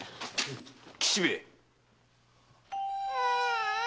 吉兵衛。